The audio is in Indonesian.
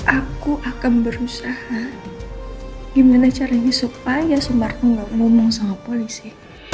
aku akan berusaha gimana caranya supaya sumarno gak ngomong sama polisi